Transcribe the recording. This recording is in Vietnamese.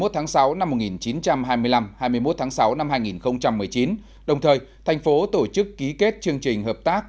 hai mươi tháng sáu năm một nghìn chín trăm hai mươi năm hai mươi một tháng sáu năm hai nghìn một mươi chín đồng thời thành phố tổ chức ký kết chương trình hợp tác